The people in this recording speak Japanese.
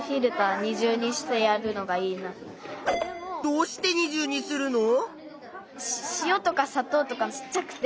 どうして二重にするの？